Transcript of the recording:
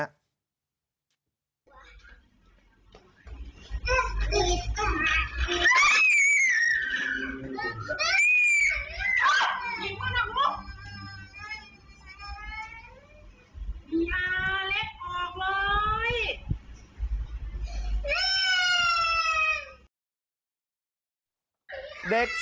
หยิงมาแล้วครับ